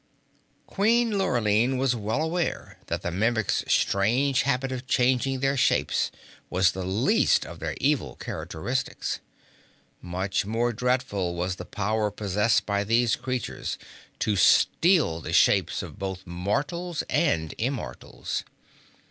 Queen Lurline was well aware that the Mimics' strange habit of changing their shapes was the least of their evil characteristics. Much more dreadful was the power possessed by these creatures to steal the shapes of both mortals and immortals.